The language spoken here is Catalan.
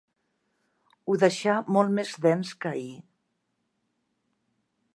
Ho deixà molt més dens que ahir.